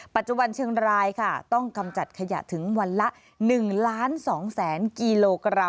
ปัจจุบันเชียงรายต้องกำจัดขยะถึงวันละ๑๒๐๐๐๐๐กิโลกรัม